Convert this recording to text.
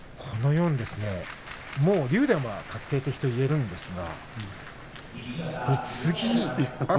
このようにもう竜電が確定的といえるんですが。